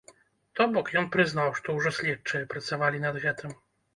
То бок, ён прызнаў, што ўжо следчыя працавалі над гэтым.